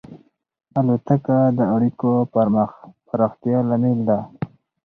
الوتکه د اړیکو پراختیا لامل ده.